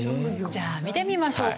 じゃあ見てみましょうか。